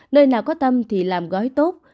nơi nào có tâm thì làm gói tốt